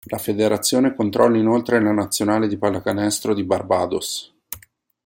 La federazione controlla inoltre la nazionale di pallacanestro di Barbados.